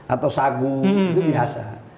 atau sagu itu biasa